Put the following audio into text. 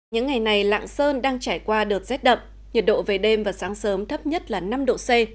những ngày này lạng sơn đang trải qua đợt rét đậm nhiệt độ về đêm và sáng sớm thấp nhất là năm độ c